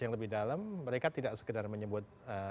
yang lebih dalam mereka tidak sekedar menyebut